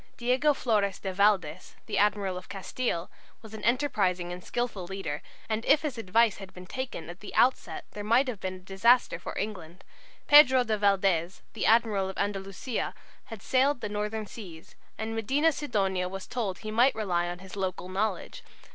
Diego Flores de Valdes, the admiral of Castille, was an enterprising and skilful leader, and if his advice had been taken at the outset there might have been a disaster for England. Pedro de Valdes, the admiral of Andalusia, had sailed the northern seas, and Medina Sidonia was told he might rely on his local knowledge.